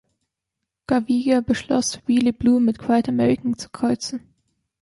Gaviria beschloss, Really Blue mit Quiet American zu kreuzen.